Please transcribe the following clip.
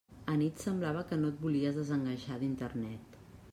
Anit semblava que no et volies desenganxar d'Internet!